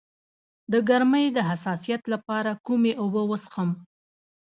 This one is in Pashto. د ګرمۍ د حساسیت لپاره کومې اوبه وڅښم؟